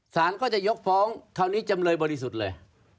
สารก็จะยกฟ้องคราวนี้จำเลยบริสุทธิ์เลย